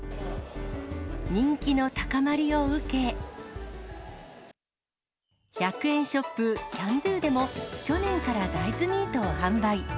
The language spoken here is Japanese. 人気の高まりを受け、１００円ショップ、キャンドゥでも、去年から大豆ミートを販売。